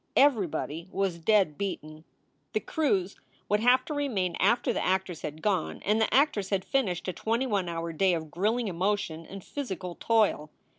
Everybody was dead beaten. The crews would have to remain after the actors had gone, and the actors had finished a twenty one hour day of grilling emotion and physical toil.